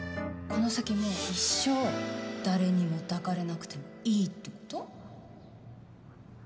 この先もう一生、誰にも抱かれなくてもいいってこと？